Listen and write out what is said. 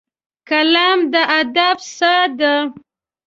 قلم د ادب ساه ده